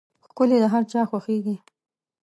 ښکلي د هر چا خوښېږي.